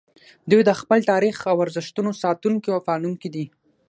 دوی د خپل تاریخ او ارزښتونو ساتونکي او پالونکي دي